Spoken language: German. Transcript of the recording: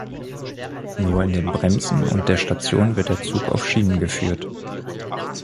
Nur in den Bremsen und der Station wird der Zug auf Schienen geführt.